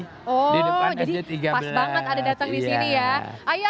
jadi pas banget ada datang disini ya